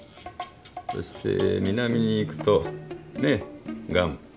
そして南に行くとねえグアム。